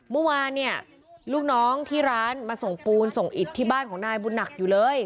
เมื่อวานเนี่ยลูกน้องที่ร้านมาส่งปูนส่งอิดที่บ้านของนายบุญหนักอยู่เลย